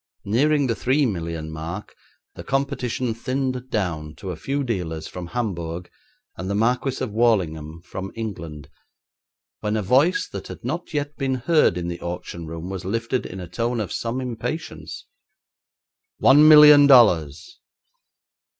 Nearing the three million mark the competition thinned down to a few dealers from Hamburg and the Marquis of Warlingham, from England, when a voice that had not yet been heard in the auction room was lifted in a tone of some impatience: 'One million dollars!'